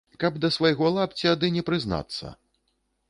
Каб да свайго лапця ды не прызнацца!